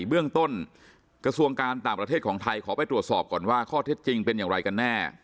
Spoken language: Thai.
เบื้องต้นกระทรวงการต่างประเทศของไทยขอไปตรวจสอบก่อนว่าข้อเท็จจริงเป็นอย่างไรกันแน่